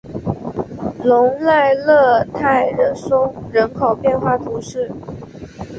隆莱勒泰松人口变化图示